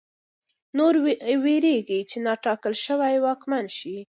نور وېرېږي چې نا ټاکل شوی واکمن شي.